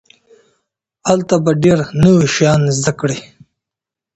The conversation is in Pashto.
هلته به ډېر نوي شيان زده کړئ.